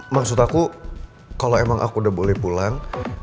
maksud aku kalau emang aku udah boleh pulang